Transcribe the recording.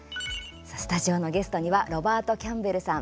スタジオのゲストにはロバート・キャンベルさん